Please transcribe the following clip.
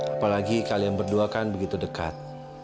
apalagi kalian berdua kan begitu dekat